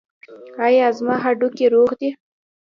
ایا زما هډوکي روغ دي؟